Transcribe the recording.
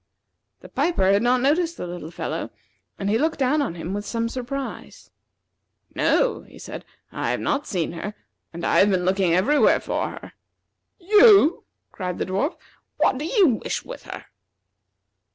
The piper had not noticed the little fellow, and he looked down on him with some surprise. "No," he said; "I have not seen her, and I have been looking everywhere for her." "You!" cried the dwarf, "what do you wish with her?"